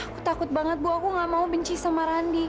aku takut banget bu aku gak mau benci sama randi